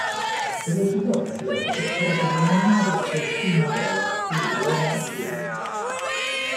Per le sue doti atletiche era soprannominato "testina d'oro" e "uomo di gomma".